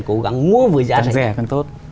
cố gắng mua với giá trị càng rẻ càng tốt